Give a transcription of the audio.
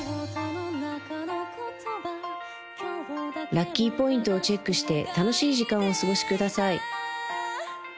ラッキーポイントをチェックして楽しい時間をお過ごしください